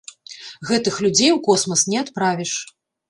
Гэтых людзей у космас не адправіш.